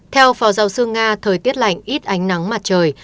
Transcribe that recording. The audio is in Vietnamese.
theo phó giáo sư nga thời tiết lạnh ít ánh nắng mặt trời